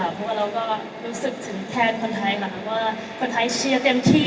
เพราะว่าเราก็รู้สึกถึงแทนคนไทยนะคะว่าคนไทยเชียร์เต็มที่